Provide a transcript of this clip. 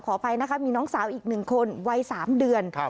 อภัยนะคะมีน้องสาวอีก๑คนวัย๓เดือน